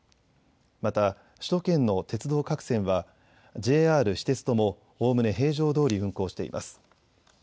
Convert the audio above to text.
また、首都圏の鉄道各線は、ＪＲ、私鉄とも、おおむね平常どおり運行しています。